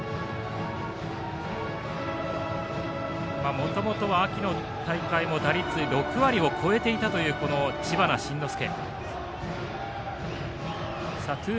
もともとは秋の大会も打率６割を超えていたという知花慎之助。